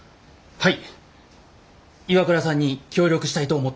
はい。